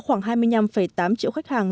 khoảng hai mươi năm tám triệu khách hàng